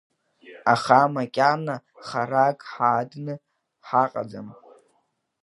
Аха макьана харак ҳадны ҳаҟаӡам!